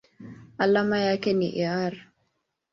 Alama yake ni Ar.